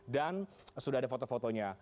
dan sudah ada foto fotonya